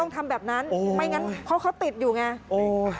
ต้องทำแบบนั้นโอ้โหไม่งั้นเพราะเขาติดอยู่ไงโอ้โห